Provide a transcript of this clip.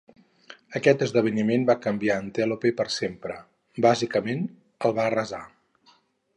Aquest esdeveniment va canviar Antelope per sempre - bàsicament el va arrasar.